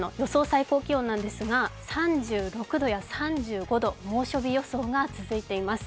最高気温なんですが３６度や３５度、猛暑日予想が続いています。